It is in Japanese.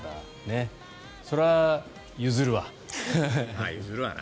それは譲るわな。